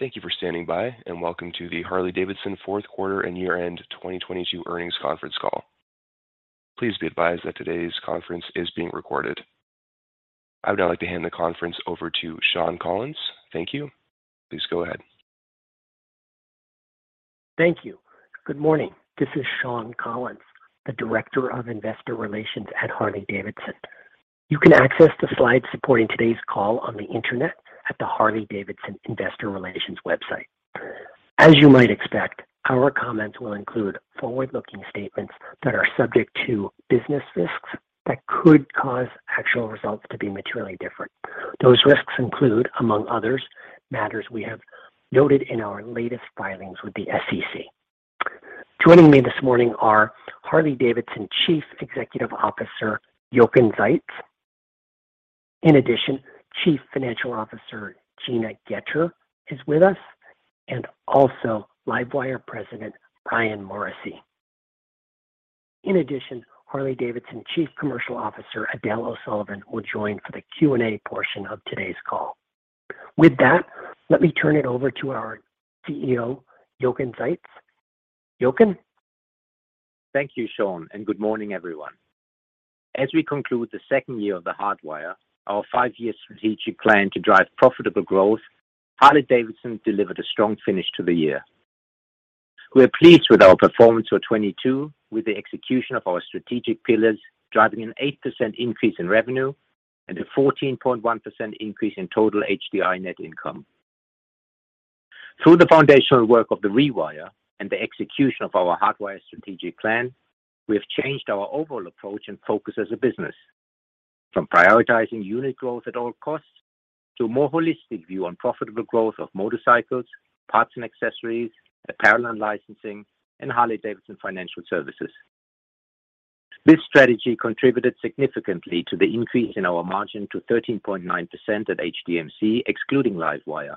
Thank you for standing by, and welcome to the Harley-Davidson fourth quarter and year-end 2022 earnings conference call. Please be advised that today's conference is being recorded. I would now like to hand the conference over to Shawn Collins. Thank you. Please go ahead. Thank you. Good morning. This is Shawn Collins, the Director of Investor Relations at Harley-Davidson. You can access the slides supporting today's call on the Internet at the Harley-Davidson investor relations website. As you might expect, our comments will include forward-looking statements that are subject to business risks that could cause actual results to be materially different. Those risks include, among others, matters we have noted in our latest filings with the SEC. Joining me this morning are Harley-Davidson Chief Executive Officer, Jochen Zeitz. Chief Financial Officer, Gina Goetter, is with us, and also LiveWire President, Ryan Morrissey. Harley-Davidson Chief Commercial Officer, Edel O'Sullivan, will join for the Q&A portion of today's call. With that, let me turn it over to our CEO, Jochen Zeitz. Jochen? Thank you, Shawn, good morning, everyone. As we conclude the second year of The Hardwire, our five-year strategic plan to drive profitable growth, Harley-Davidson delivered a strong finish to the year. We're pleased with our performance for 2022, with the execution of our strategic pillars driving an 8% increase in revenue and a 14.1% increase in total HDI net income. Through the foundational work of The Rewire and the execution of our The Hardwire strategic plan, we have changed our overall approach and focus as a business, from prioritizing unit growth at all costs to a more holistic view on profitable growth of motorcycles, parts and accessories, apparel and licensing, and Harley-Davidson Financial Services. This strategy contributed significantly to the increase in our margin to 13.9% at HDMC, excluding LiveWire,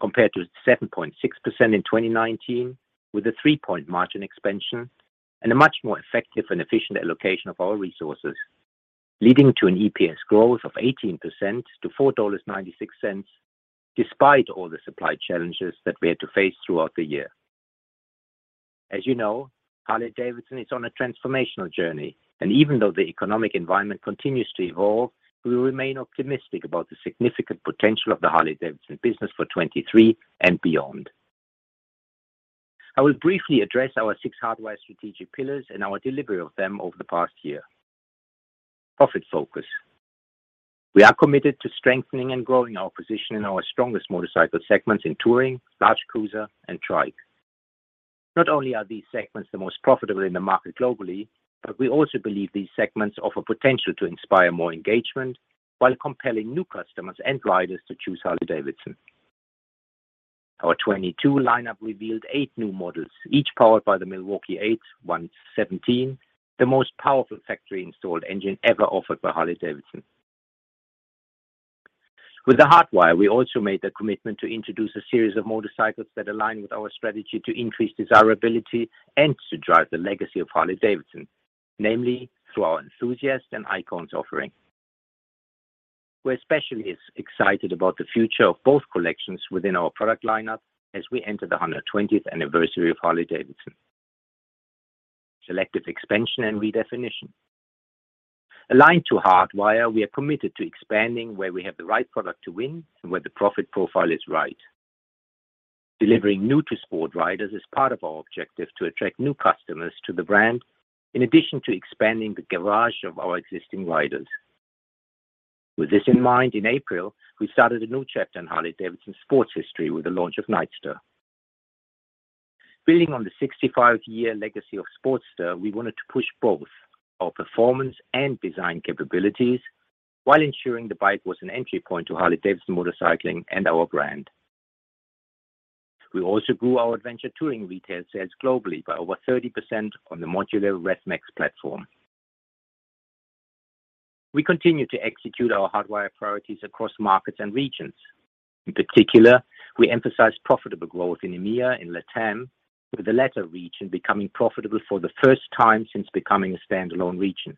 compared to 7.6% in 2019, with a three-point margin expansion and a much more effective and efficient allocation of our resources, leading to an EPS growth of 18% to $4.96, despite all the supply challenges that we had to face throughout the year. As you know, Harley-Davidson is on a transformational journey, even though the economic environment continues to evolve, we remain optimistic about the significant potential of the Harley-Davidson business for 2023 and beyond. I will briefly address our six Hardwire strategic pillars and our delivery of them over the past year. Profit focus. We are committed to strengthening and growing our position in our strongest motorcycle segments in touring, large cruiser, and trike. Not only are these segments the most profitable in the market globally, but we also believe these segments offer potential to inspire more engagement while compelling new customers and riders to choose Harley-Davidson. Our 22 lineup revealed eight new models, each powered by the Milwaukee-Eight 117, the most powerful factory-installed engine ever offered by Harley-Davidson. With the Hardwire, we also made a commitment to introduce a series of motorcycles that align with our strategy to increase desirability and to drive the legacy of Harley-Davidson, namely through our Enthusiast and Icons offering. We're especially excited about the future of both collections within our product lineup as we enter the 120th anniversary of Harley-Davidson. Selective expansion and redefinition. Aligned to Hardwire, we are committed to expanding where we have the right product to win and where the profit profile is right. Delivering new to sport riders is part of our objective to attract new customers to the brand, in addition to expanding the garage of our existing riders. With this in mind, in April, we started a new chapter in Harley-Davidson sports history with the launch of Nightster. Building on the 65-year legacy of Sportster, we wanted to push both our performance and design capabilities while ensuring the bike was an entry point to Harley-Davidson motorcycling and our brand. We also grew our adventure touring retail sales globally by over 30% on the modular Revolution Max platform. We continue to execute our Hardwire priorities across markets and regions. In particular, we emphasize profitable growth in EMEA and LATAM, with the latter region becoming profitable for the first time since becoming a standalone region.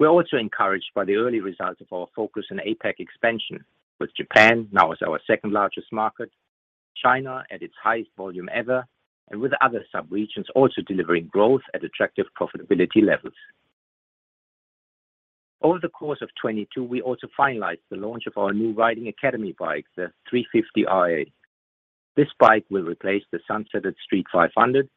We're also encouraged by the early results of our focus on APAC expansion, with Japan now as our second-largest market, China at its highest volume ever, and with other sub-regions also delivering growth at attractive profitability levels. Over the course of 2022, we also finalized the launch of our new Riding Academy bike, the X350RA. This bike will replace the Sunsetted Street 500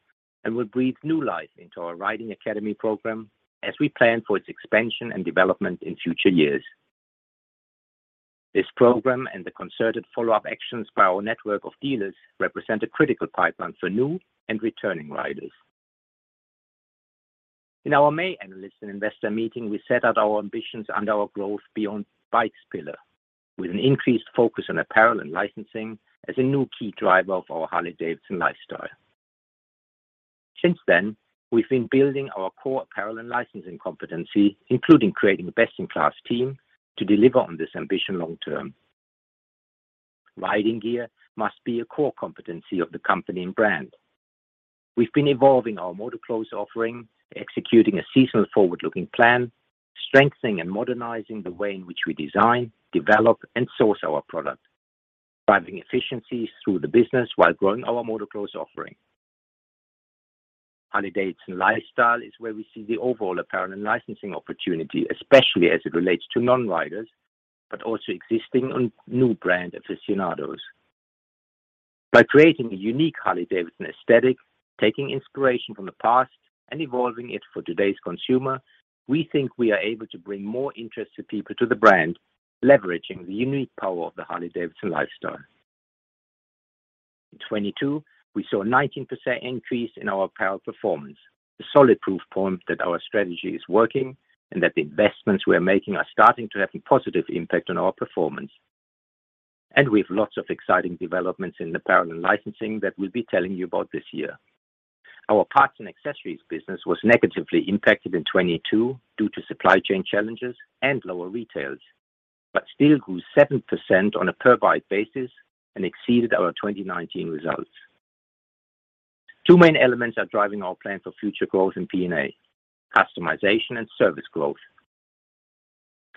and will breathe new life into our Riding Academy program as we plan for its expansion and development in future years. This program and the concerted follow-up actions by our network of dealers represent a critical pipeline for new and returning riders. In our May analyst and investor meeting, we set out our ambitions under our growth beyond bikes pillar, with an increased focus on apparel and licensing as a new key driver of our Harley-Davidson lifestyle. Since then, we've been building our core apparel and licensing competency, including creating a best-in-class team, to deliver on this ambition long term. Riding gear must be a core competency of the company and brand. We've been evolving our MotorClothes offering, executing a seasonal forward-looking plan, strengthening and modernizing the way in which we design, develop, and source our product, driving efficiencies through the business while growing our MotorClothes offering. Harley-Davidson lifestyle is where we see the overall apparel and licensing opportunity, especially as it relates to non-riders, but also existing and new brand aficionados. By creating a unique Harley-Davidson aesthetic, taking inspiration from the past, and evolving it for today's consumer, we think we are able to bring more interested people to the brand, leveraging the unique power of the Harley-Davidson lifestyle. In 2022, we saw a 19% increase in our apparel performance. A solid proof point that our strategy is working and that the investments we are making are starting to have a positive impact on our performance. We have lots of exciting developments in apparel and licensing that we'll be telling you about this year. Our parts and accessories business was negatively impacted in 2022 due to supply chain challenges and lower retails, but still grew 7% on a per bike basis and exceeded our 2019 results. Two main elements are driving our plan for future growth in P&A, customization and service growth.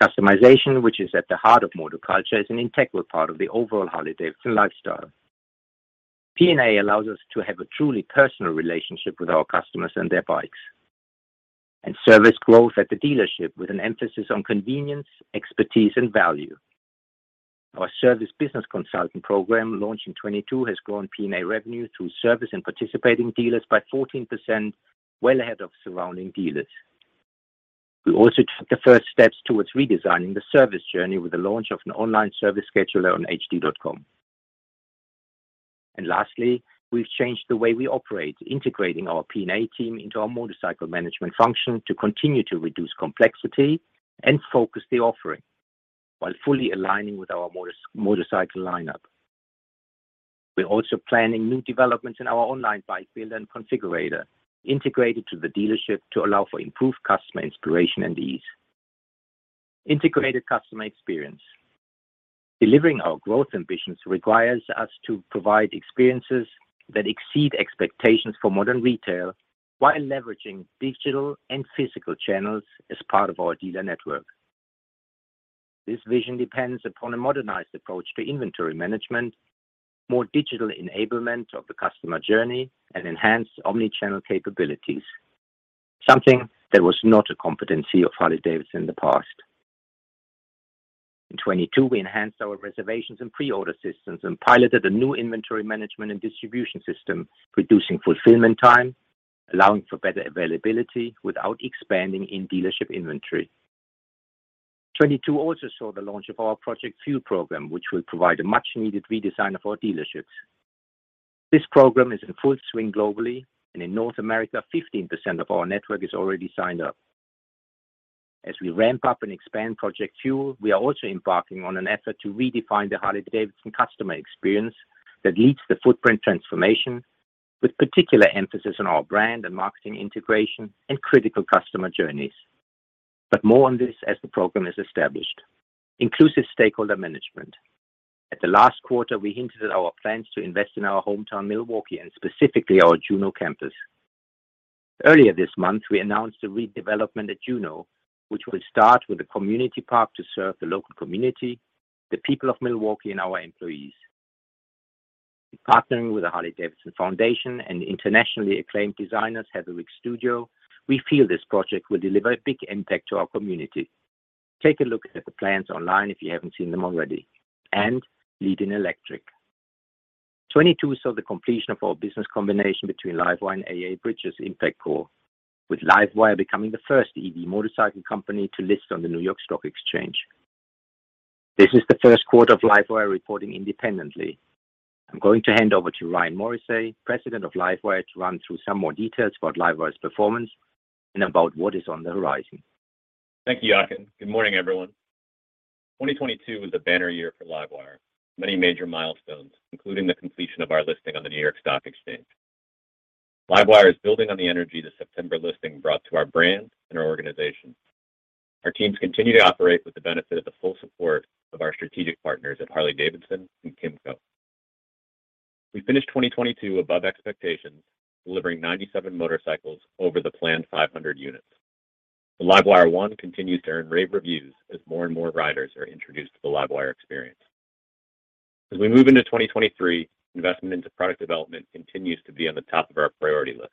Customization, which is at the heart of motor culture, is an integral part of the overall Harley-Davidson lifestyle. P&A allows us to have a truly personal relationship with our customers and their bikes, and service growth at the dealership with an emphasis on convenience, expertise, and value. Our service business consulting program, launched in 2022, has grown P&A revenue through service and participating dealers by 14%, well ahead of surrounding dealers. We also took the first steps towards redesigning the service journey with the launch of an online service scheduler on h-d.com. Lastly, we've changed the way we operate, integrating our P&A team into our motorcycle management function to continue to reduce complexity and focus the offering while fully aligning with our motorcycle lineup. We're also planning new developments in our online bike builder and configurator, integrated to the dealership to allow for improved customer inspiration and ease. Integrated customer experience. Delivering our growth ambitions requires us to provide experiences that exceed expectations for modern retail while leveraging digital and physical channels as part of our dealer network. This vision depends upon a modernized approach to inventory management, more digital enablement of the customer journey, and enhanced omnichannel capabilities, something that was not a competency of Harley-Davidson in the past. In 2022, we enhanced our reservations and pre-order systems and piloted a new inventory management and distribution system, reducing fulfillment time, allowing for better availability without expanding in dealership inventory. 2022 also saw the launch of our Project Fuel program, which will provide a much-needed redesign of our dealerships. This program is in full swing globally, and in North America, 15% of our network is already signed up. As we ramp up and expand Project Fuel, we are also embarking on an effort to redefine the Harley-Davidson customer experience that leads the footprint transformation, with particular emphasis on our brand and marketing integration and critical customer journeys. More on this as the program is established. Inclusive stakeholder management. At the last quarter, we hinted at our plans to invest in our hometown, Milwaukee, and specifically our Juneau campus. Earlier this month, we announced a redevelopment at Juneau, which will start with a community park to serve the local community, the people of Milwaukee, and our employees. Partnering with the Harley-Davidson Foundation and internationally acclaimed designers Heatherwick Studio, we feel this project will deliver a big impact to our community. Take a look at the plans online if you haven't seen them already. Leading electric. 2022 saw the completion of our business combination between LiveWire and AEA-Bridges Impact Corp., with LiveWire becoming the first EV motorcycle company to list on the New York Stock Exchange. This is the first quarter of LiveWire reporting independently. I'm going to hand over to Ryan Morrissey, President of LiveWire, to run through some more details about LiveWire's performance and about what is on the horizon. Thank you, Jochen. Good morning, everyone. 2022 was a banner year for LiveWire. Many major milestones, including the completion of our listing on the New York Stock Exchange. LiveWire is building on the energy the September listing brought to our brand and our organization. Our teams continue to operate with the benefit of the full support of our strategic partners at Harley-Davidson and KYMCO. We finished 2022 above expectations, delivering 97 motorcycles over the planned 500 units. The LiveWire ONE continues to earn rave reviews as more and more riders are introduced to the LiveWire experience. As we move into 2023, investment into product development continues to be on the top of our priority list.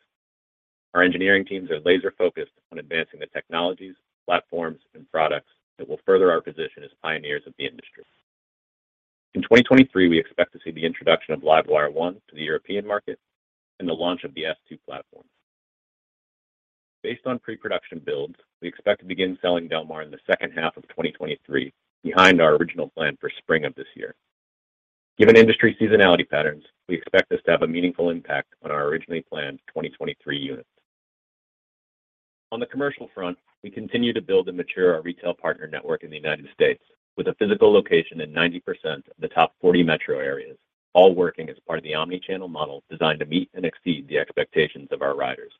Our engineering teams are laser-focused on advancing the technologies, platforms, and products that will further our position as pioneers of the industry. In 2023, we expect to see the introduction of LiveWire ONE to the European market and the launch of the S2 platform. Based on pre-production builds, we expect to begin selling Del Mar in the second half of 2023, behind our original plan for spring of this year. Given industry seasonality patterns, we expect this to have a meaningful impact on our originally planned 2023 units. On the commercial front, we continue to build and mature our retail partner network in the United States with a physical location in 90% of the top 40 metro areas, all working as part of the omnichannel model designed to meet and exceed the expectations of our riders.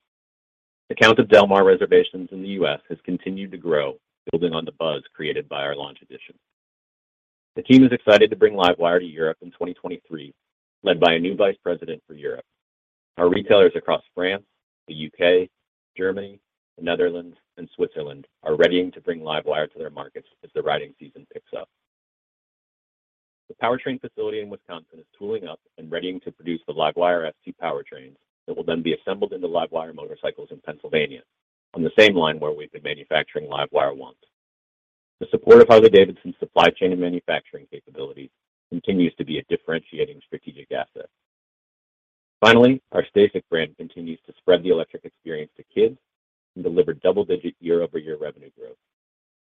The count of Del Mar reservations in The U.S. has continued to grow, building on the buzz created by our launch edition. The team is excited to bring LiveWire to Europe in 2023, led by a new vice president for Europe. Our retailers across France, The U.K., Germany, the Netherlands, and Switzerland are readying to bring LiveWire to their markets as the riding season picks up. The powertrain facility in Wisconsin is tooling up and readying to produce the LiveWire ST powertrains that will be assembled into LiveWire motorcycles in Pennsylvania on the same line where we've been manufacturing LiveWire ONE. The support of Harley-Davidson supply chain and manufacturing capabilities continues to be a differentiating strategic asset. Finally, our STACYC brand continues to spread the electric experience to kids and deliver double-digit year-over-year revenue growth.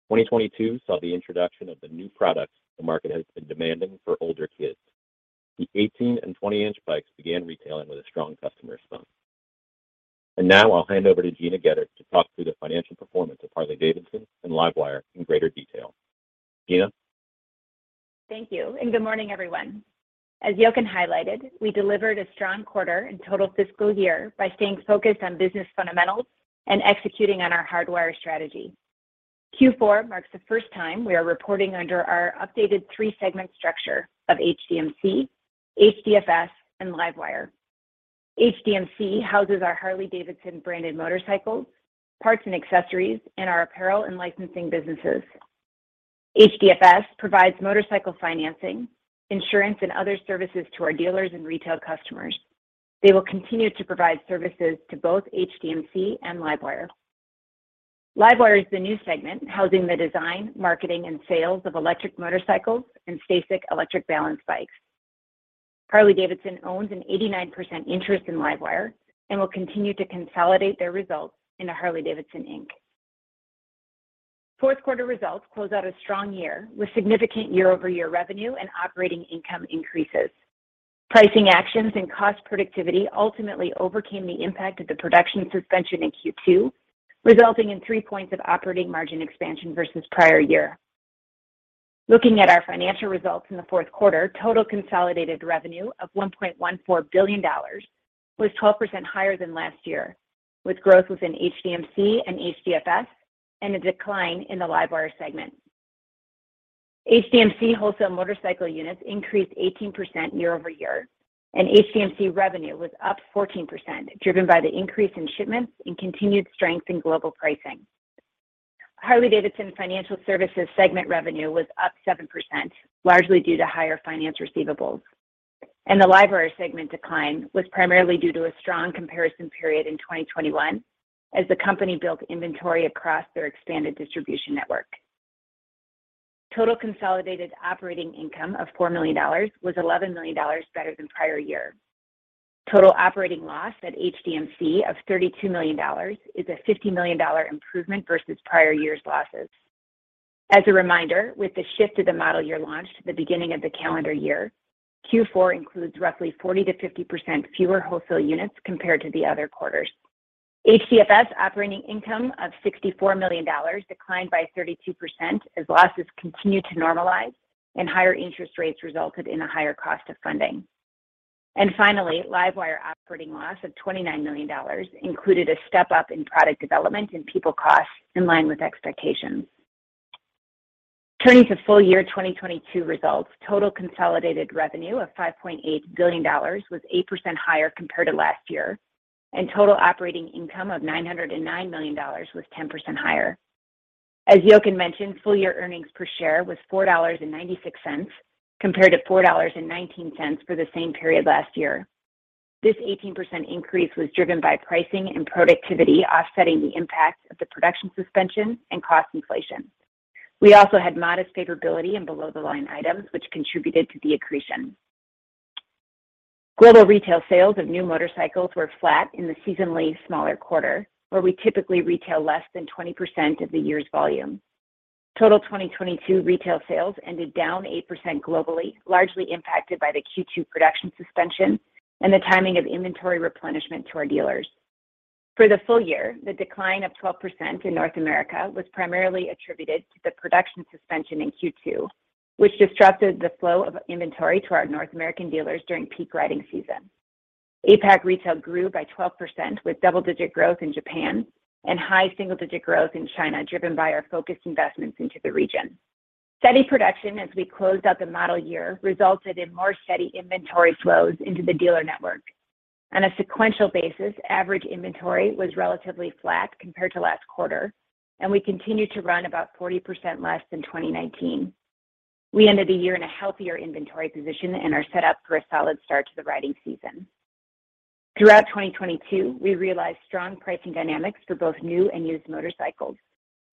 2022 saw the introduction of the new products the market has been demanding for older kids. The 18 and 20-inch bikes began retailing with a strong customer response. Now I'll hand over to Gina Goetter to talk through the financial performance of Harley-Davidson and LiveWire in greater detail. Gina? Thank you. Good morning, everyone. As Jochen highlighted, we delivered a strong quarter and total fiscal year by staying focused on business fundamentals and executing on our Hardwire strategy. Q4 marks the first time we are reporting under our updated 3-segment structure of HDMC, HDFS, and LiveWire. HDMC houses our Harley-Davidson branded motorcycles, parts and accessories, and our apparel and licensing businesses. HDFS provides motorcycle financing, insurance, and other services to our dealers and retail customers. They will continue to provide services to both HDMC and LiveWire. LiveWire is the new segment, housing the design, marketing, and sales of electric motorcycles and STACYC electric balance bikes. Harley-Davidson owns an 89% interest in LiveWire and will continue to consolidate their results into Harley-Davidson, Inc. Fourth quarter results close out a strong year with significant year-over-year revenue and operating income increases. Pricing actions and cost productivity ultimately overcame the impact of the production suspension in Q2, resulting in three points of operating margin expansion versus prior year. Looking at our financial results in the fourth quarter, total consolidated revenue of $1.14 billion was 12% higher than last year, with growth within HDMC and HDFS and a decline in the LiveWire segment. HDMC wholesale motorcycle units increased 18% year-over-year, HDMC revenue was up 14%, driven by the increase in shipments and continued strength in global pricing. Harley-Davidson Financial Services segment revenue was up 7%, largely due to higher finance receivables. The LiveWire segment decline was primarily due to a strong comparison period in 2021 as the company built inventory across their expanded distribution network. Total consolidated operating income of $4 million was $11 million better than prior year. Total operating loss at HDMC of $32 million is a $50 million improvement versus prior year's losses. As a reminder, with the shift of the model year launch to the beginning of the calendar year, Q4 includes roughly 40%-50% fewer wholesale units compared to the other quarters. HDFS operating income of $64 million declined by 32% as losses continued to normalize and higher interest rates resulted in a higher cost of funding. Finally, LiveWire operating loss of $29 million included a step-up in product development and people costs in line with expectations. Turning to full year 2022 results, total consolidated revenue of $5.8 billion was 8% higher compared to last year, and total operating income of $909 million was 10% higher. As Jochen mentioned, full year earnings per share was $4.96 compared to $4.19 for the same period last year. This 18% increase was driven by pricing and productivity offsetting the impact of the production suspension and cost inflation. We also had modest favorability in below-the-line items which contributed to the accretion. Global retail sales of new motorcycles were flat in the seasonally smaller quarter, where we typically retail less than 20% of the year's volume. Total 2022 retail sales ended down 8% globally, largely impacted by the Q2 production suspension and the timing of inventory replenishment to our dealers. For the full year, the decline of 12% in North America was primarily attributed to the production suspension in Q2, which disrupted the flow of inventory to our North American dealers during peak riding season. APAC retail grew by 12% with double-digit growth in Japan and high single-digit growth in China, driven by our focused investments into the region. Steady production as we closed out the model year resulted in more steady inventory flows into the dealer network. On a sequential basis, average inventory was relatively flat compared to last quarter, and we continued to run about 40% less than 2019. We ended the year in a healthier inventory position and are set up for a solid start to the riding season. Throughout 2022, we realized strong pricing dynamics for both new and used motorcycles.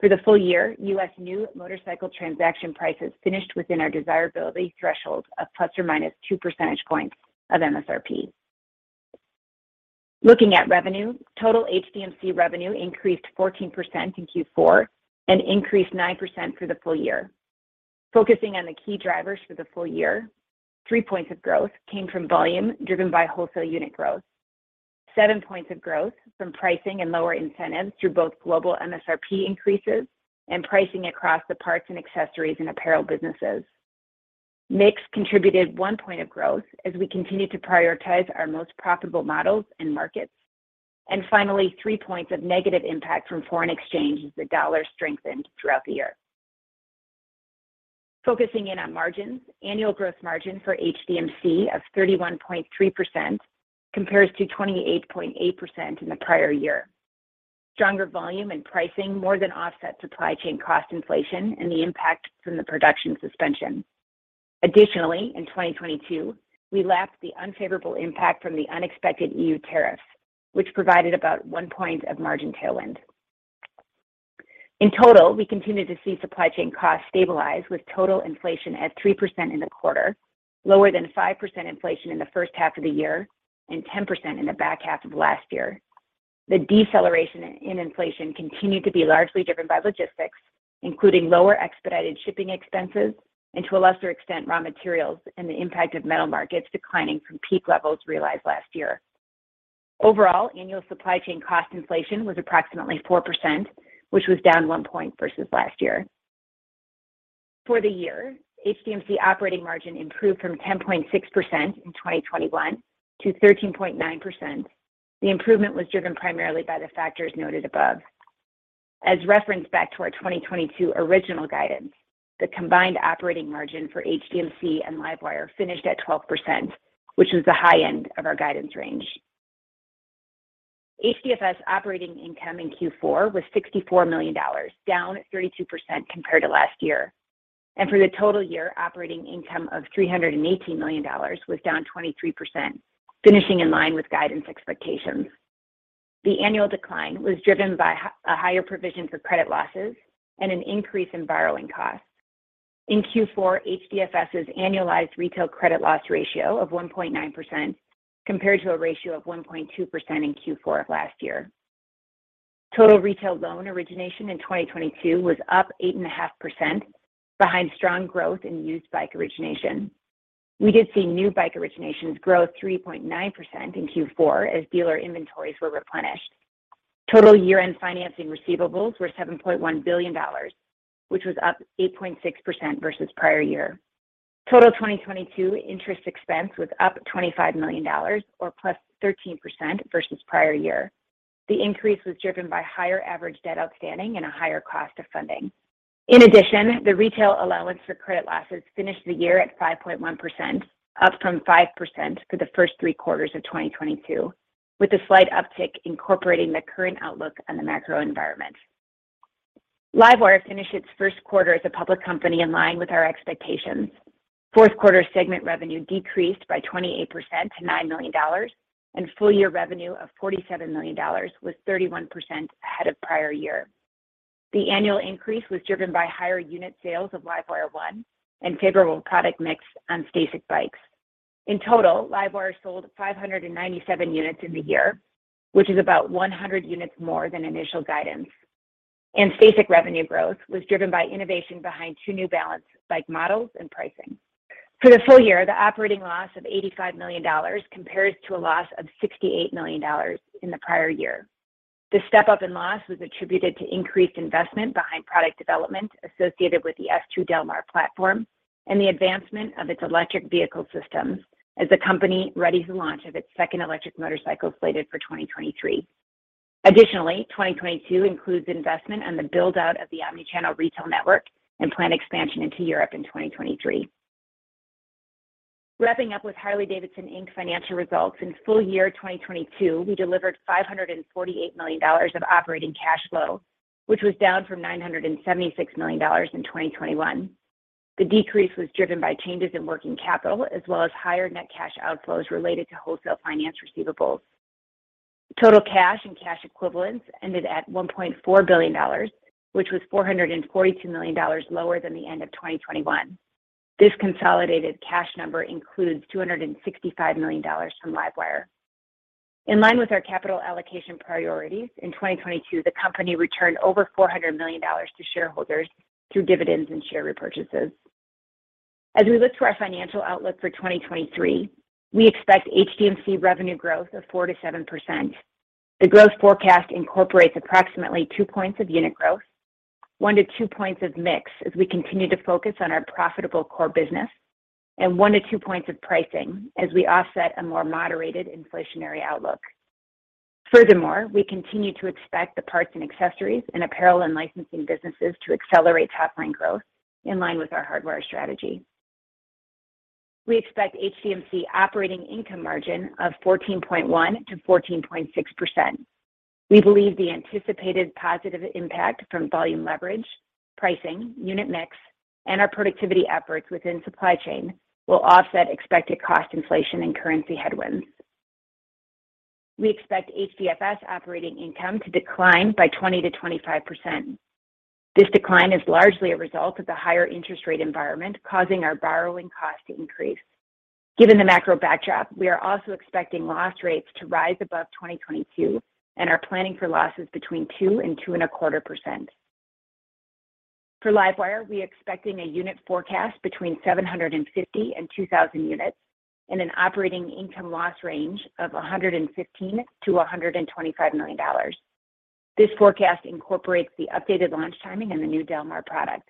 For the full year, US new motorcycle transaction prices finished within our desirability threshold of ±2 percentage points of MSRP. Looking at revenue, total HDMC revenue increased 14% in Q4 and increased 9% for the full year. Focusing on the key drivers for the full year, three points of growth came from volume driven by wholesale unit growth. Seven points of growth from pricing and lower incentives through both global MSRP increases and pricing across the parts and accessories and apparel businesses. Mix contributed 1 point of growth as we continued to prioritize our most profitable models and markets. Finally, three points of negative impact from foreign exchange as the dollar strengthened throughout the year. Focusing in on margins, annual growth margin for HDMC of 31.3% compares to 28.8% in the prior year. Stronger volume and pricing more than offset supply chain cost inflation and the impact from the production suspension. Additionally, in 2022, we lapped the unfavorable impact from the unexpected EU tariffs, which provided about 1 point of margin tailwind. In total, we continued to see supply chain costs stabilize with total inflation at 3% in the quarter, lower than 5% inflation in the first half of the year and 10% in the back half of last year. The deceleration in inflation continued to be largely driven by logistics, including lower expedited shipping expenses and to a lesser extent, raw materials and the impact of metal markets declining from peak levels realized last year. Overall, annual supply chain cost inflation was approximately 4%, which was down one point versus last year. For the year, HDMC operating margin improved from 10.6% in 2021 to 13.9%. The improvement was driven primarily by the factors noted above. As referenced back to our 2022 original guidance, the combined operating margin for HDMC and LiveWire finished at 12%, which was the high end of our guidance range. HDFS operating income in Q4 was $64 million, down 32% compared to last year. For the total year, operating income of $318 million was down 23%, finishing in line with guidance expectations. The annual decline was driven by a higher provision for credit losses and an increase in borrowing costs. In Q4, HDFS's annualized retail credit loss ratio of 1.9% compared to a ratio of 1.2% in Q4 of last year. Total retail loan origination in 2022 was up 8.5% behind strong growth in used bike origination. We did see new bike originations grow 3.9% in Q4 as dealer inventories were replenished. Total year-end financing receivables were $7.1 billion, which was up 8.6% versus prior year. Total 2022 interest expense was up $25 million or +13% versus prior year. The increase was driven by higher average debt outstanding and a higher cost of funding. In addition, the retail allowance for credit losses finished the year at 5.1%, up from 5% for the first three quarters of 2022, with a slight uptick incorporating the current outlook on the macro environment. LiveWire finished its first quarter as a public company in line with our expectations. Fourth quarter segment revenue decreased by 28% to $9 million, and full-year revenue of $47 million was 31% ahead of prior year. The annual increase was driven by higher unit sales of LiveWire ONE and favorable product mix on STACYC bikes. In total, LiveWire sold 597 units in the year, which is about 100 units more than initial guidance. STACYC revenue growth was driven by innovation behind two new Balance bike models and pricing. For the full year, the operating loss of $85 million compares to a loss of $68 million in the prior year. The step-up in loss was attributed to increased investment behind product development associated with the S2 Del Mar platform and the advancement of its electric vehicle systems as the company readies the launch of its second electric motorcycle slated for 2023. Additionally, 2022 includes investment on the build-out of the omni-channel retail network and planned expansion into Europe in 2023. Wrapping up with Harley-Davidson, Inc. financial results, in full year 2022, we delivered $548 million of operating cash flow, which was down from $976 million in 2021. The decrease was driven by changes in working capital as well as higher net cash outflows related to wholesale finance receivables. Total cash and cash equivalents ended at $1.4 billion, which was $442 million lower than the end of 2021. This consolidated cash number includes $265 million from LiveWire. In line with our capital allocation priorities, in 2022, the company returned over $400 million to shareholders through dividends and share repurchases. We look to our financial outlook for 2023, we expect HDMC revenue growth of 4%-7%. The growth forecast incorporates approximately two points of unit growth, one to two points of mix as we continue to focus on our profitable core business, and one to two points of pricing as we offset a more moderated inflationary outlook. Furthermore, we continue to expect the parts and accessories and apparel and licensing businesses to accelerate top-line growth in line with our Hardwire strategy. We expect HDMC operating income margin of 14.1%-14.6%. We believe the anticipated positive impact from volume leverage, pricing, unit mix, and our productivity efforts within supply chain will offset expected cost inflation and currency headwinds. We expect HDFS operating income to decline by 20%-25%. This decline is largely a result of the higher interest rate environment causing our borrowing cost to increase. Given the macro backdrop, we are also expecting loss rates to rise above 2022 and are planning for losses between 2% and 2.25%. For LiveWire, we are expecting a unit forecast between 750 and 2,000 units and an operating income loss range of $115 million-$125 million. This forecast incorporates the updated launch timing and the new Del Mar product.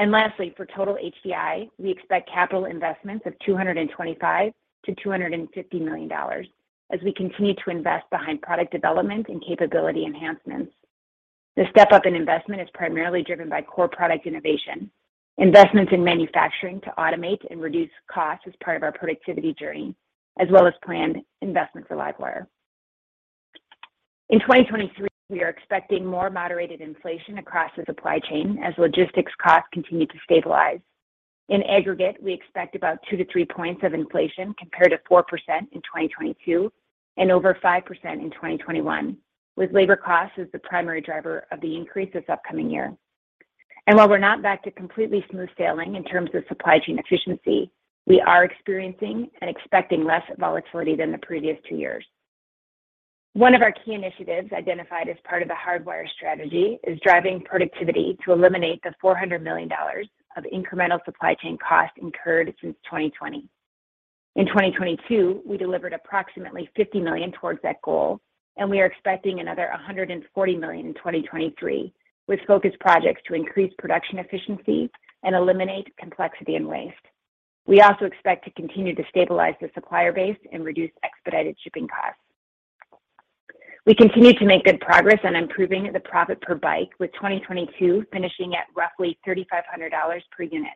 Lastly, for total HDI, we expect capital investments of $225 million-$250 million as we continue to invest behind product development and capability enhancements. The step up in investment is primarily driven by core product innovation, investments in manufacturing to automate and reduce costs as part of our productivity journey, as well as planned investments for LiveWire. In 2023, we are expecting more moderated inflation across the supply chain as logistics costs continue to stabilize. In aggregate, we expect about two to three points of inflation compared to 4% in 2022 and over 5% in 2021, with labor costs as the primary driver of the increase this upcoming year. While we're not back to completely smooth sailing in terms of supply chain efficiency, we are experiencing and expecting less volatility than the previous two years. One of our key initiatives identified as part of the Hardwire strategy is driving productivity to eliminate the $400 million of incremental supply chain costs incurred since 2020. In 2022, we delivered approximately $50 million towards that goal, and we are expecting another $140 million in 2023, with focused projects to increase production efficiency and eliminate complexity and waste. We also expect to continue to stabilize the supplier base and reduce expedited shipping costs. We continue to make good progress on improving the profit per bike, with 2022 finishing at roughly $3,500 per unit.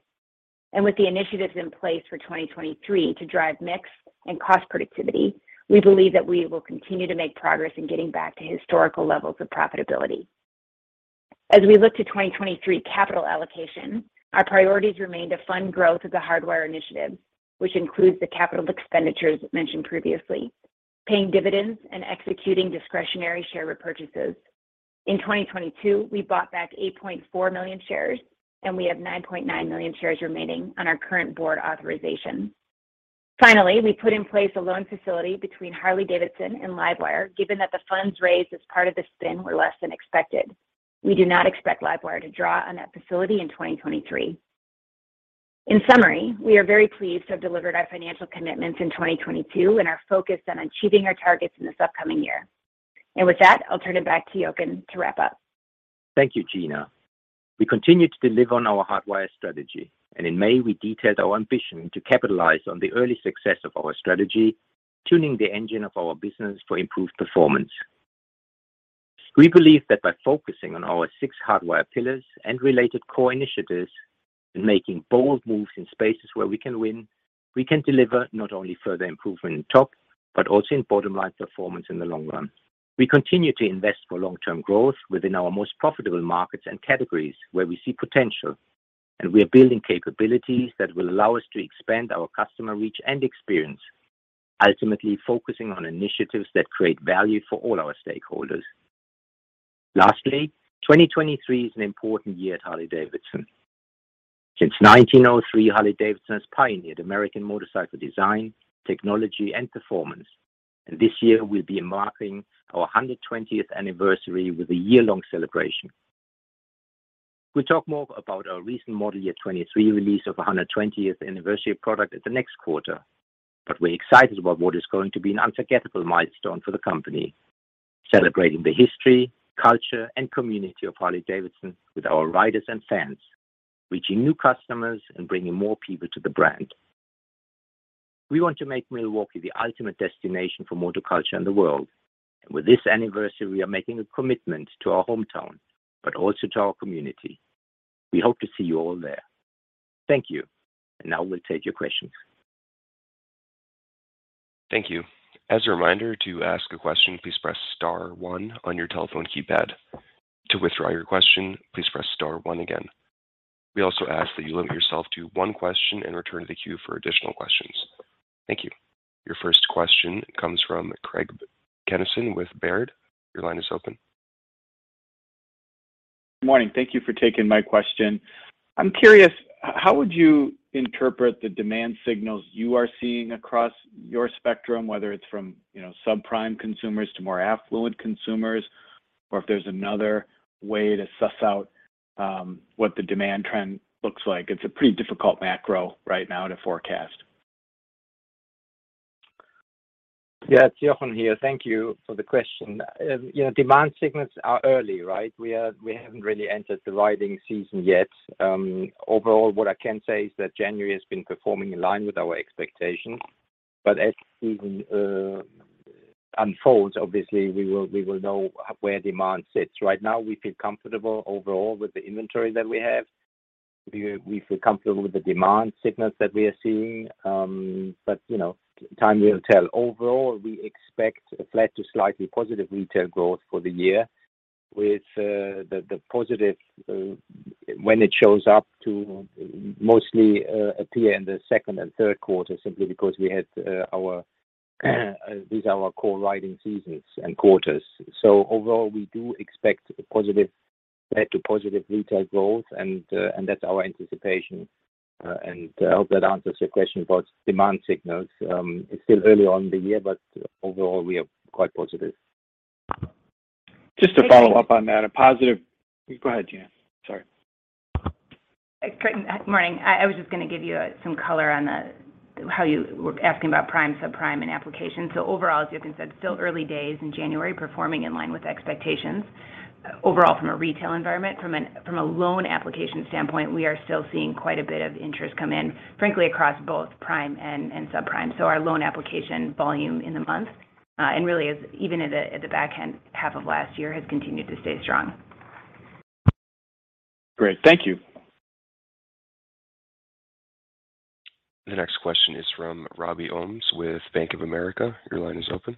With the initiatives in place for 2023 to drive mix and cost productivity, we believe that we will continue to make progress in getting back to historical levels of profitability. As we look to 2023 capital allocation, our priorities remain to fund growth of the Hardwire initiative, which includes the capital expenditures mentioned previously, paying dividends, and executing discretionary share repurchases. In 2022, we bought back 8.4 million shares, and we have 9.9 million shares remaining on our current board authorization. Finally, we put in place a loan facility between Harley-Davidson and LiveWire, given that the funds raised as part of the spin were less than expected. We do not expect LiveWire to draw on that facility in 2023. In summary, we are very pleased to have delivered our financial commitments in 2022 and are focused on achieving our targets in this upcoming year. With that, I'll turn it back to Jochen to wrap up. Thank you, Gina. We continue to deliver on our Hardwire strategy, in May, we detailed our ambition to capitalize on the early success of our strategy, tuning the engine of our business for improved performance. We believe that by focusing on our six Hardwire pillars and related core initiatives and making bold moves in spaces where we can win, we can deliver not only further improvement in top, but also in bottom line performance in the long run. We continue to invest for long-term growth within our most profitable markets and categories where we see potential, we are building capabilities that will allow us to expand our customer reach and experience, ultimately focusing on initiatives that create value for all our stakeholders. Lastly, 2023 is an important year at Harley-Davidson. Since 1903, Harley-Davidson has pioneered American motorcycle design, technology, and performance, and this year we'll be marking our 120th anniversary with a year-long celebration. We'll talk more about our recent model year 2023 release of a 120th anniversary product at the next quarter, but we're excited about what is going to be an unforgettable milestone for the company, celebrating the history, culture, and community of Harley-Davidson with our riders and fans, reaching new customers, and bringing more people to the brand. We want to make Milwaukee the ultimate destination for motor culture in the world, and with this anniversary, we are making a commitment to our hometown but also to our community. We hope to see you all there. Thank you. Now we'll take your questions. Thank you. As a reminder, to ask a question, please press star one on your telephone keypad. To withdraw your question, please press star one again. We also ask that you limit yourself to one question and return to the queue for additional questions. Thank you. Your first question comes from Craig Kennison with Baird. Your line is open. Morning. Thank you for taking my question. I'm curious, how would you interpret the demand signals you are seeing across your spectrum, whether it's from, you know, subprime consumers to more affluent consumers, or if there's another way to suss out what the demand trend looks like? It's a pretty difficult macro right now to forecast. Yeah. It's Jochen here. Thank you for the question. you know, demand signals are early, right? We haven't really entered the riding season yet. Overall, what I can say is that January has been performing in line with our expectations. As season unfolds, obviously, we will know where demand sits. Right now, we feel comfortable overall with the inventory that we have. We feel comfortable with the demand signals that we are seeing. but, you know, time will tell. Overall, we expect a flat to slightly positive retail growth for the year with the positive when it shows up to mostly appear in the second and third quarter simply because we had our, these are our core riding seasons and quarters. Overall, we do expect flat to positive retail growth, and that's our anticipation. I hope that answers your question about demand signals. It's still early on in the year. Overall, we are quite positive. Just to follow up on that. Go ahead, Gina. Sorry. Craig, morning. I was just gonna give you some color. How you were asking about prime, subprime, and application. Overall, as Jochen said, still early days in January performing in line with expectations overall from a retail environment. From a loan application standpoint, we are still seeing quite a bit of interest come in, frankly, across both prime and subprime. Our loan application volume in the month, and really is even at the, at the back end half of last year has continued to stay strong. Great. Thank you. The next question is from Robert Ohmes with Bank of America. Your line is open.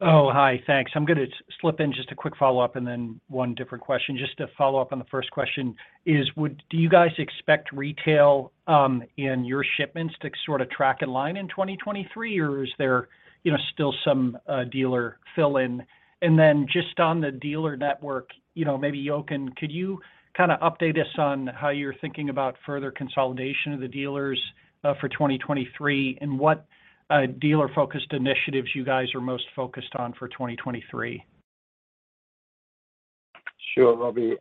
Oh, hi. Thanks. I'm gonna slip in just a quick follow-up and then one different question. Just to follow up on the first question is, do you guys expect retail in your shipments to sort of track in line in 2023 or is there, you know, still some dealer fill in? Then just on the dealer network, you know, maybe Jochen, could you kinda update us on how you're thinking about further consolidation of the dealers for 2023 and what dealer-focused initiatives you guys are most focused on for 2023? Sure, Robbie.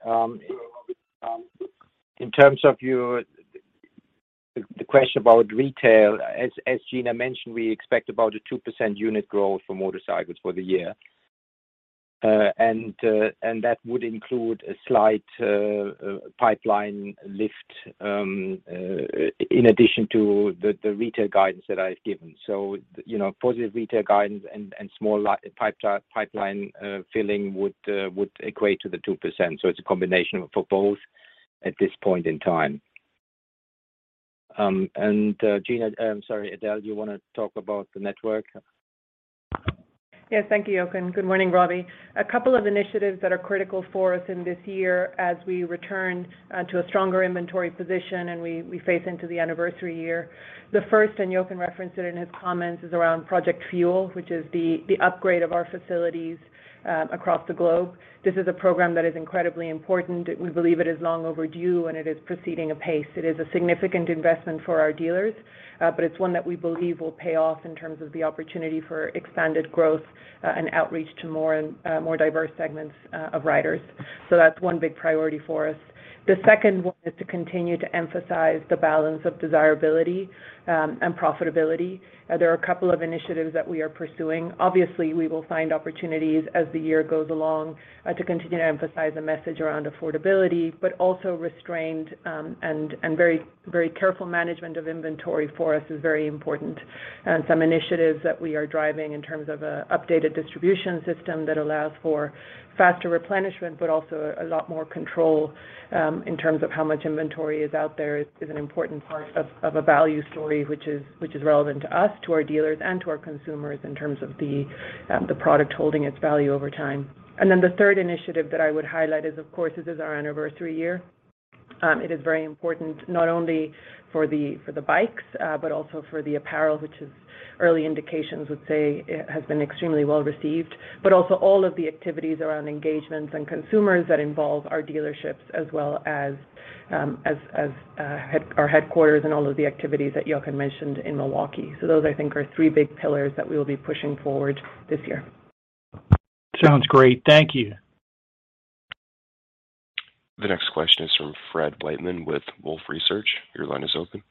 In terms of the question about retail, as Gina mentioned, we expect about a 2% unit growth for motorcycles for the year. That would include a slight pipeline lift in addition to the retail guidance that I've given. You know, positive retail guidance and small pipeline filling would equate to the 2%. It's a combination for both at this point in time. Gina, sorry, Edel, do you wanna talk about the network? Yes, thank you, Jochen. Good morning, Robbie. A couple of initiatives that are critical for us in this year as we return to a stronger inventory position and we face into the anniversary year. The first, and Jochen referenced it in his comments, is around Project Fuel, which is the upgrade of our facilities across the globe. This is a program that is incredibly important. We believe it is long overdue, and it is proceeding apace. It is a significant investment for our dealers, but it's one that we believe will pay off in terms of the opportunity for expanded growth and outreach to more and more diverse segments of riders. That's one big priority for us. The second one is to continue to emphasize the balance of desirability and profitability. There are a couple of initiatives that we are pursuing. Obviously, we will find opportunities as the year goes along, to continue to emphasize a message around affordability, but also restrained, and very careful management of inventory for us is very important. Some initiatives that we are driving in terms of a updated distribution system that allows for faster replenishment, but also a lot more control, in terms of how much inventory is out there is an important part of a value story, which is relevant to us, to our dealers, and to our consumers in terms of the product holding its value over time. Then the third initiative that I would highlight is, of course, this is our anniversary year. It is very important not only for the bikes, but also for the apparel, which is early indications would say it has been extremely well-received. Also all of the activities around engagements and consumers that involve our dealerships as well as our headquarters and all of the activities that Jochen mentioned in Milwaukee. Those, I think, are three big pillars that we will be pushing forward this year. Sounds great. Thank you. The next question is from Fred Wightman with Wolfe Research. Your line is open.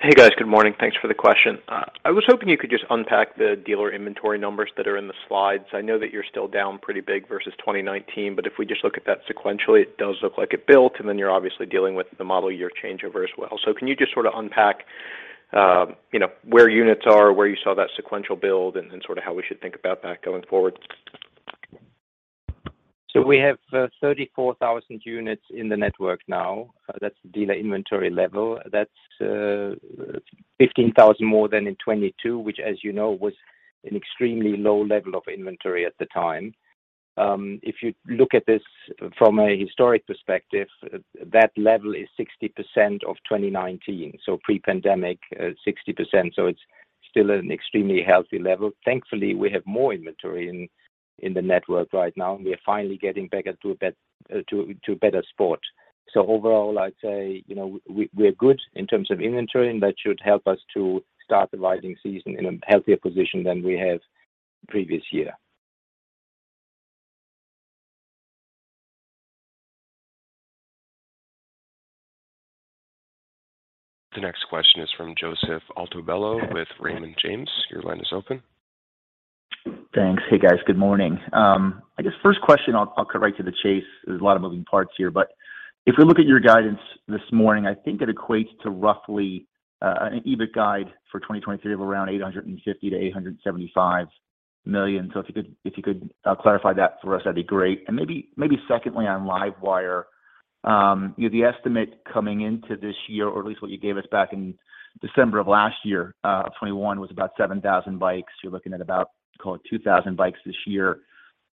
Hey, guys. Good morning. Thanks for the question. I was hoping you could just unpack the dealer inventory numbers that are in the slides. I know that you're still down pretty big versus 2019, but if we just look at that sequentially, it does look like it built, and then you're obviously dealing with the model year changeover as well. Can you just sorta unpack, you know, where units are, where you saw that sequential build, and sorta how we should think about that going forward? We have 34,000 units in the network now. That's the dealer inventory level. That's 15,000 more than in 2022, which, as you know, was an extremely low level of inventory at the time. If you look at this from a historic perspective, that level is 60% of 2019. Pre-pandemic, 60%. It's still an extremely healthy level. Thankfully, we have more inventory in the network right now, and we are finally getting back into a better spot. Overall, I'd say, you know, we're good in terms of inventory, and that should help us to start the riding season in a healthier position than we have previous year. The next question is from Joseph Altobello with Raymond James. Your line is open. Thanks. Hey, guys. Good morning. I guess first question, I'll cut right to the chase. There's a lot of moving parts here. If we look at your guidance this morning, I think it equates to roughly, an EBIT guide for 2023 of around $850 million-$875 million. If you could clarify that for us, that'd be great. Maybe secondly on LiveWire, you know, the estimate coming into this year, or at least what you gave us back in December of last year, of 2021, was about 7,000 bikes. You're looking at about, call it 2,000 bikes this year.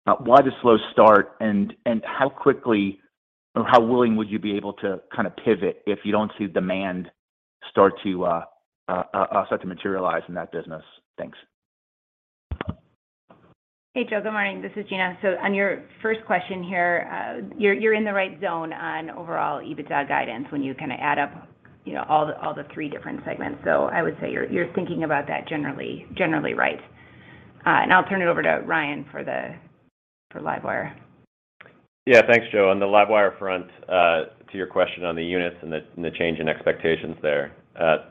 Why the slow start, and how quickly or how willing would you be able to kinda pivot if you don't see demand start to materialize in that business? Thanks. Hey, Joe. Good morning. This is Gina. On your first question here, you're in the right zone on overall EBITDA guidance when you kinda add up, you know, all the 3 different segments. I would say you're thinking about that generally right. I'll turn it over to Ryan for LiveWire Yeah. Thanks, Joe. On the LiveWire front, to your question on the units and the change in expectations there.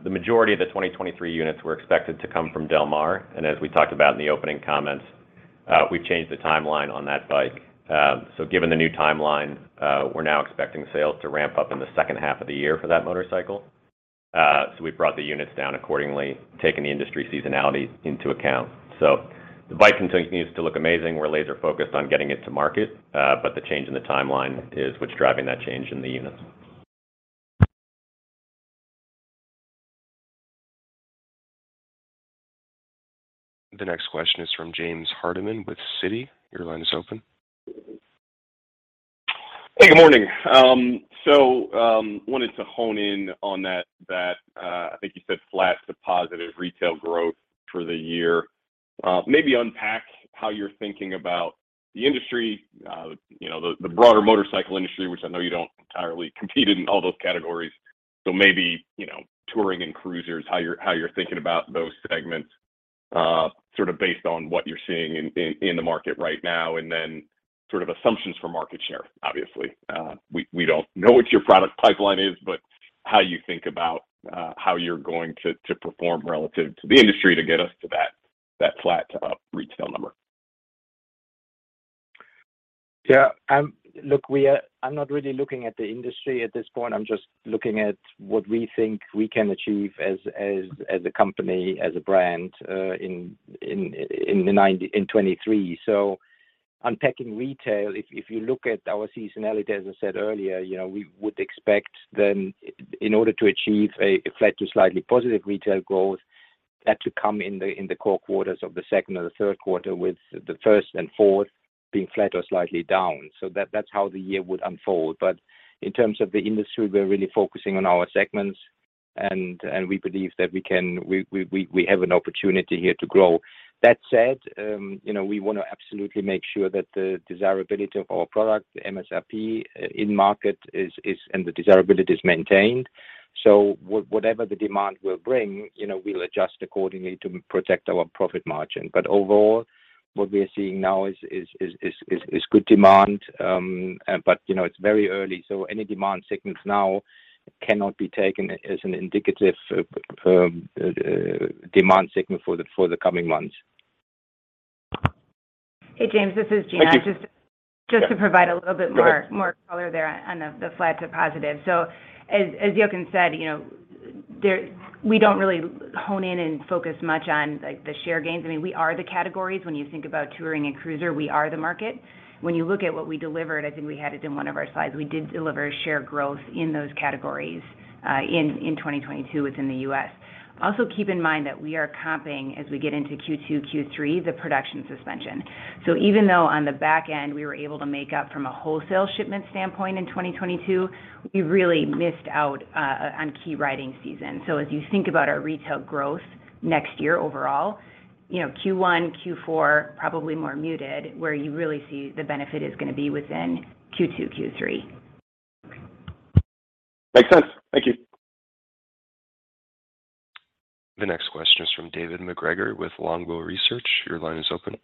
The majority of the 2023 units were expected to come from Del Mar, and as we talked about in the opening comments, we've changed the timeline on that bike. Given the new timeline, we're now expecting sales to ramp up in the second half of the year for that motorcycle. We've brought the units down accordingly, taking the industry seasonality into account. The bike continues to look amazing. We're laser-focused on getting it to market, but the change in the timeline is what's driving that change in the units. The next question is from James Hardiman with Citi. Your line is open. Good morning. Wanted to hone in on that, I think you said flat to positive retail growth for the year. Maybe unpack how you're thinking about the industry, you know, the broader motorcycle industry, which I know you don't entirely compete in all those categories. So maybe, you know, touring and cruisers, how you're thinking about those segments, sort of based on what you're seeing in the market right now, and then sort of assumptions for market share. Obviously, we don't know what your product pipeline is, but how you think about how you're going to perform relative to the industry to get us to that flat to up retail number. Yeah. Look, I'm not really looking at the industry at this point. I'm just looking at what we think we can achieve as a company, as a brand, in 2023. Unpacking retail, if you look at our seasonality, as I said earlier, you know, we would expect then in order to achieve a flat to slightly positive retail growth, that to come in the core quarters of the second or the 3rd quarter with the first and fourth being flat or slightly down. That's how the year would unfold. In terms of the industry, we're really focusing on our segments and we believe that we have an opportunity here to grow. That said, you know, we wanna absolutely make sure that the desirability of our product, the MSRP in market is and the desirability is maintained. Whatever the demand will bring, you know, we'll adjust accordingly to protect our profit margin. Overall, what we are seeing now is good demand. You know, it's very early, so any demand signals now cannot be taken as an indicative demand signal for the coming months. Hey, James, this is Gina. Thank you. Just to provide a little bit more. Great... more color there on the flat to positive. As Jochen said, you know, we don't really hone in and focus much on, like, the share gains. I mean, we are the categories. When you think about touring and cruiser, we are the market. When you look at what we delivered, I think we had it in one of our slides, we did deliver share growth in those categories in 2022 within The U.S. Also, keep in mind that we are comping as we get into Q2, Q3, the production suspension. Even though on the back end we were able to make up from a wholesale shipment standpoint in 2022, we really missed out on key riding season. As you think about our retail growth next year overall, you know, Q1, Q4 probably more muted, where you really see the benefit is gonna be within Q2, Q3. Makes sense. Thank you. The next question is from David MacGregor with Longbow Research. Your line is open.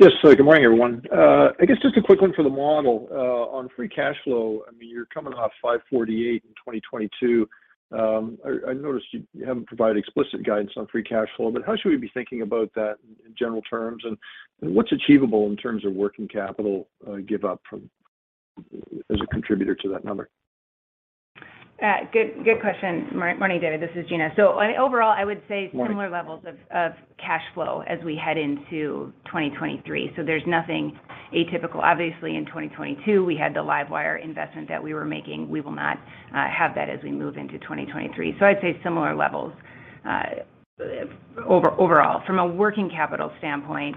Yes. Good morning, everyone. I guess just a quick one for the model, on free cash flow. I mean, you're coming off $548 in 2022. I noticed you haven't provided explicit guidance on free cash flow, but how should we be thinking about that in general terms, and what's achievable in terms of working capital, give up as a contributor to that number? Good question. Morning, David, this is Gina. Overall, I would say Morning levels of cash flow as we head into 2023, there's nothing atypical. Obviously, in 2022, we had the LiveWire investment that we were making. We will not have that as we move into 2023. I'd say similar levels overall. From a working capital standpoint,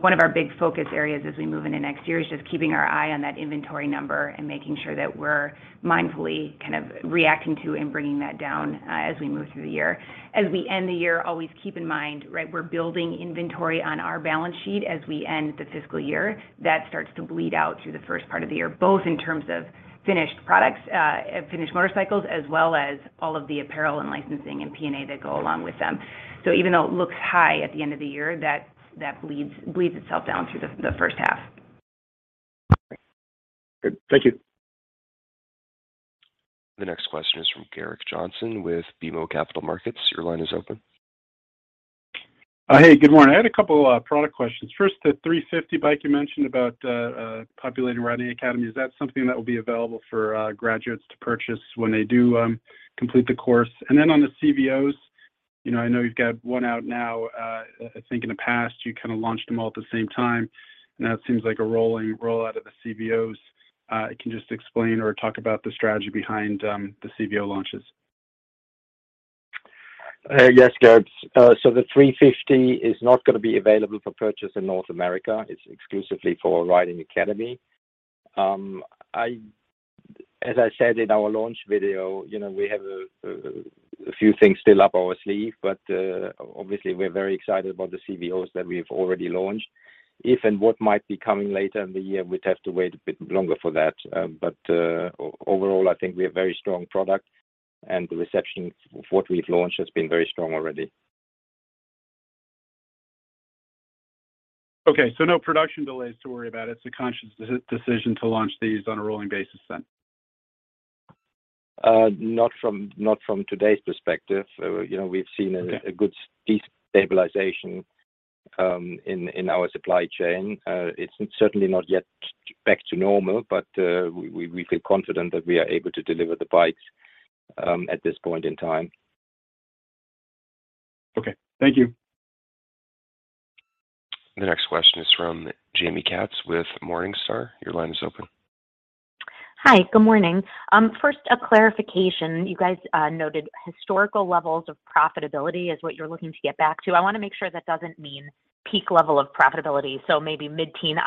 one of our big focus areas as we move into next year is just keeping our eye on that inventory number and making sure that we're mindfully kind of reacting to and bringing that down as we move through the year. As we end the year, always keep in mind, right, we're building inventory on our balance sheet as we end the fiscal year. That starts to bleed out through the first part of the year, both in terms of finished products, finished motorcycles, as well as all of the apparel and licensing and P&A that go along with them. Even though it looks high at the end of the year, that bleeds itself down through the first half. Good. Thank you. The next question is from Gerrick Johnson with BMO Capital Markets. Your line is open. Hey, good morning. I had a couple product questions. First, the 350 bike you mentioned about populating Riding Academy. Is that something that will be available for graduates to purchase when they do complete the course? Then on the CVOs, you know, I know you've got one out now. I think in the past you kind of launched them all at the same time, and now it seems like a rolling rollout of the CVOs. Can you just explain or talk about the strategy behind the CVO launches? Yes, Gerrick. The 350 is not gonna be available for purchase in North America. It's exclusively for our Riding Academy. As I said in our launch video, you know, we have a few things still up our sleeve, but, obviously, we're very excited about the CVOs that we've already launched. If and what might be coming later in the year, we'd have to wait a bit longer for that. Overall, I think we have very strong product, and the reception of what we've launched has been very strong already. Okay, no production delays to worry about. It's a conscious decision to launch these on a rolling basis then? Not from today's perspective. You know, we've seen a good destabilization in our supply chain. It's certainly not yet back to normal. We feel confident that we are able to deliver the bikes at this point in time. Okay. Thank you. The next question is from Jaime Katz with Morningstar. Your line is open. Hi. Good morning. First, a clarification. You guys noted historical levels of profitability is what you're looking to get back to. I wanna make sure that doesn't mean peak level of profitability, so maybe mid-teen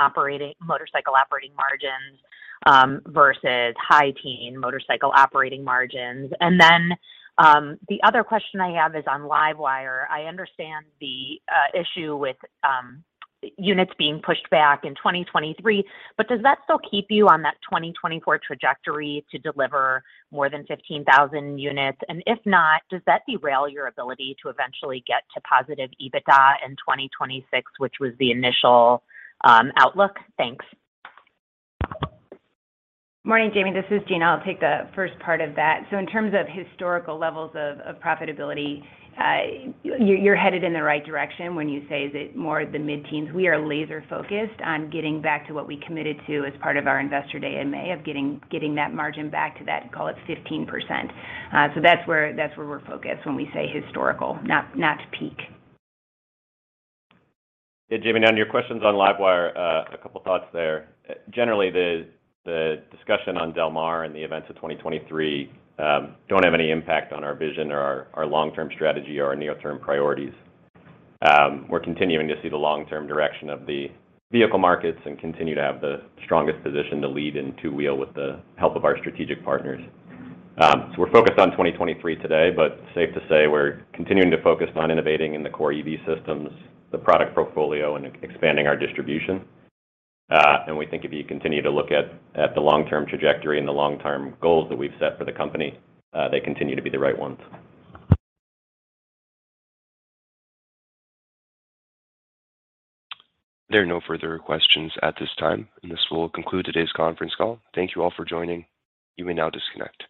motorcycle operating margins versus high teen motorcycle operating margins. The other question I have is on LiveWire. I understand the issue with units being pushed back in 2023, but does that still keep you on that 2024 trajectory to deliver more than 15,000 units? If not, does that derail your ability to eventually get to positive EBITDA in 2026, which was the initial outlook? Thanks. Morning, Jaime. This is Gina. I'll take the first part of that. In terms of historical levels of profitability, you're headed in the right direction when you say is it more the mid-teens. We are laser-focused on getting back to what we committed to as part of our investor day in May of getting that margin back to that, call it, 15%. That's where we're focused when we say historical, not peak. Yeah, Jaime. On your questions on LiveWire, a couple thoughts there. Generally, the discussion on Del Mar and the events of 2023 don't have any impact on our vision or our long-term strategy or our near-term priorities. We're continuing to see the long-term direction of the vehicle markets and continue to have the strongest position to lead in two-wheel with the help of our strategic partners. We're focused on 2023 today, but safe to say we're continuing to focus on innovating in the core EV systems, the product portfolio, and e-expanding our distribution. We think if you continue to look at the long-term trajectory and the long-term goals that we've set for the company, they continue to be the right ones. There are no further questions at this time, and this will conclude today's conference call. Thank you all for joining. You may now disconnect.